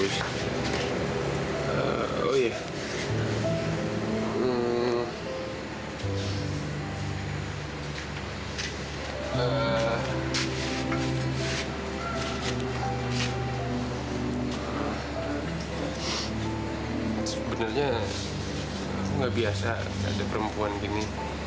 sebenarnya aku nggak biasa ada perempuan gini